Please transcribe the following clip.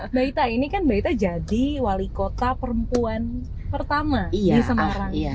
mbak ita ini kan mbak ita jadi wali kota perempuan pertama di semarang